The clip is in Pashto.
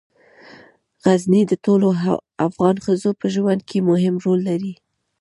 غزني د ټولو افغان ښځو په ژوند کې مهم رول لري.